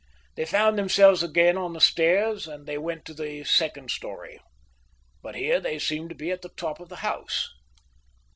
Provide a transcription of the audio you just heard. They found themselves again on the stairs and they went to the second storey. But here they seemed to be at the top of the house.